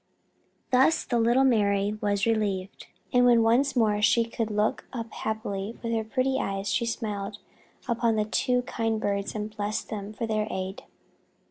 Thus the little Mary was relieved, and when once more she could look up happily with her pretty eyes she smiled upon the two kind birds and blessed them for their aid.